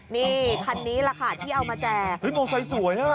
นี่คันนี้แหละค่ะที่เอามาแจกเฮ้ยมอเซสวยฮะ